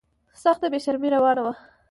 سخته بې شرمي روانه وه.